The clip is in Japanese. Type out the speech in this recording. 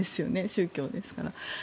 宗教ですから。